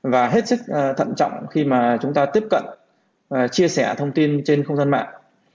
và hết sức thận trọng khi mà chúng ta tiếp cận chia sẻ thông tin trên công dân mạng